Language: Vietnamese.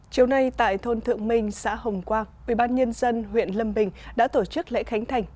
chiều nay tại thôn thượng minh xã hồng quang ubnd huyện lâm bình đã tổ chức lễ khánh thành